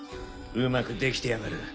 うまくできてやがる。